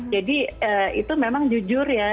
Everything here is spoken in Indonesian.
jadi itu memang jujur ya